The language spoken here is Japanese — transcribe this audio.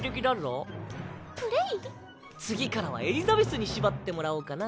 次からはエリザベスに縛ってもらおうかな。